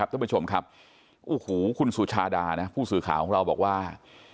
ทุกผู้ชมครับคุณสาวสูชาดาผู้สือข่าวบอกว่า